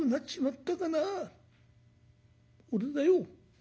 俺だよ。